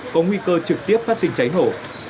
có nguy cơ trực tiếp phát sinh cháy nổ